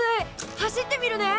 走ってみるね。